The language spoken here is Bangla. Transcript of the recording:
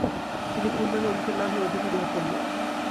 তিনি পূর্ণাঙ্গ উইকেট লাভের অধিকারী হতেন না।